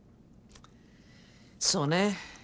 そうね。